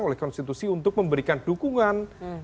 oleh konstitusi untuk memberikan dukungan